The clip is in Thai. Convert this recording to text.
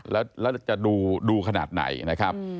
แล้วจะดูขนาดไหนนะครับ